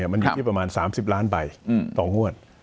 มันอยู่ที่ประมาณ๓๐ล้านใบต่องวด